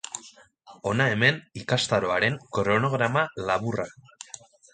Hona hemen ikastaroaren kronograma laburra.